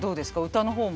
歌の方も。